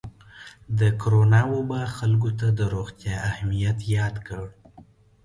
د کرونا وبا خلکو ته د روغتیا اهمیت یاد کړ.